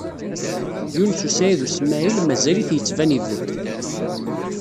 Yunes u Saɛid u Smaɛil, mazal-it yettban ibedd.